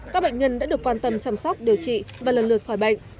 các bệnh nhân đã được quan tâm chăm sóc điều trị và lần lượt khỏi bệnh